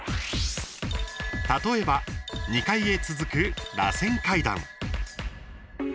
例えば、２階へ続く、らせん階段。